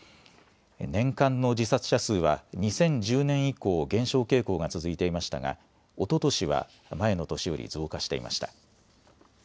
年間の自殺者数は２０１０年以降、減少傾向が続いていましたがおととしは前の年より増加していました。